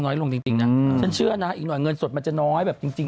ลงจริงนะฉันเชื่อนะอีกหน่อยเงินสดมันจะน้อยแบบจริง